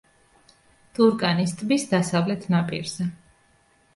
ტურკანის ტბის დასავლეთ ნაპირზე.